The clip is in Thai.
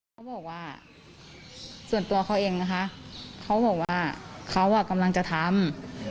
เขาบอกว่าส่วนตัวเขาเองนะคะเขาบอกว่าเขากำลังจะทำ